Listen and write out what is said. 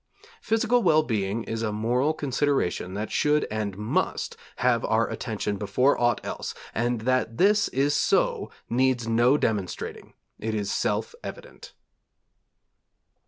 Physical well being is a moral consideration that should and must have our attention before aught else, and that this is so needs no demonstrating; it is self evident.